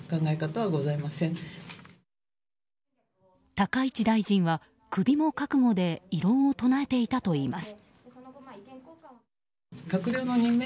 高市大臣は首も覚悟で異論を唱えていたといいます。